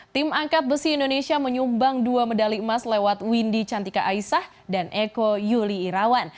tim angkat besi indonesia menyumbang dua medali emas lewat windy cantika aisah dan eko yuli irawan